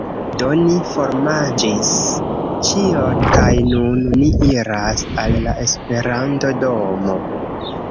Do, ni formanĝis ĉion kaj nun ni iras al la Esperanto-domo